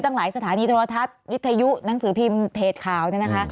ตั้งหลายสถานีโทรธัศน์วิทยุนังสือพิมพ์เพจข่าว